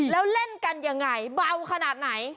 แล้วเล่นกันยังไงเบาขนาดไหน